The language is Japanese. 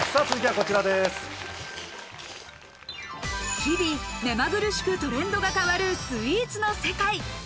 日々、目まぐるしくトレンドが変わるスイーツの世界。